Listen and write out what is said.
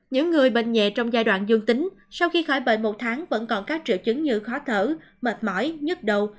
những người bệnh nhẹ trong giai đoạn dương tính sau khi khỏi bệnh một tháng vẫn còn các triệu chứng như khó thở mệt mỏi nhức đầu